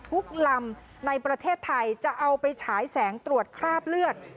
ลำในประเทศไทยจะเอาไปฉายแสงตรวจคราบเลือด